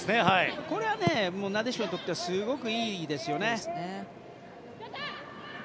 これはなでしこにとってはすごくいいですよね。